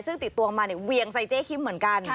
ซึ่งติดตัวมาเนี่ยเวียงใส่เจ๊คิมเหมือนกัน